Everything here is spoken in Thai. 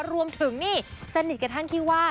รวมถึงนี่สนิทกับท่านที่ว่า